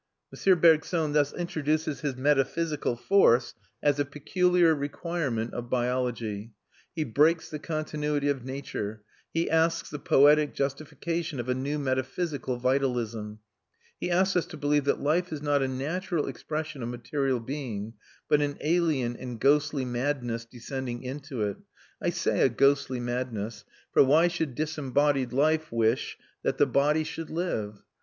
M. Bergson thus introduces his metaphysical force as a peculiar requirement of biology; he breaks the continuity of nature; he loses the poetic justification of a metaphysical vitalism; he asks us to believe that life is not a natural expression of material being, but an alien and ghostly madness descending into it I say a ghostly madness, for why should disembodied life wish that the body should live?